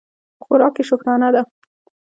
خوراک یې شکرانه ده.